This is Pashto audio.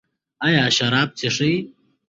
ایا شراب څښئ؟